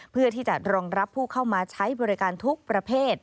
เพื่อที่จะรองรับผู้เข้ามาใช้บริการทุกประเภท